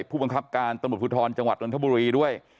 ผู้บังคับการตำรวจภูทรจังหวัดนทบุรีด้วย